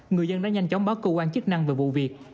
người dân đã nhanh chóng báo cơ quan chức năng về vụ việc